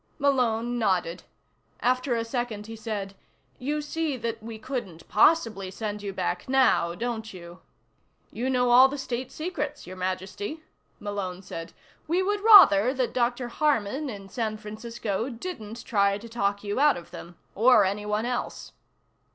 Malone nodded. After a second he said: "You see that we couldn't possibly send you back now, don't you?" "You know all the State Secrets, Your Majesty," Malone said. "We would rather that Dr. Harman in San Francisco didn't try to talk you out of them. Or anyone else."